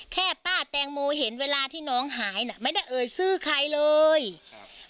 แค่ป้าแตงโมเห็นเวลาที่น้องหายน่ะไม่ได้เอ่ยชื่อใครเลยครับ